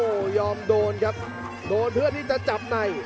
โอ้โหยอมโดนครับโดนเพื่อที่จะจับใน